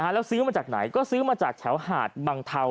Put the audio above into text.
แล้วซื้อมาจากไหนก็ซื้อมาจากแถวหาดบังเทา